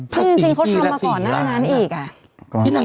ภาษียะ